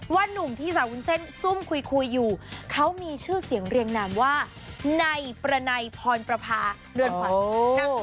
นุ่มที่สาววุ้นเส้นซุ่มคุยอยู่เขามีชื่อเสียงเรียงนามว่าในประนัยพรประพาเรือนขวัญ